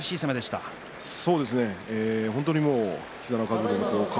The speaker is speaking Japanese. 厳しい攻めでした。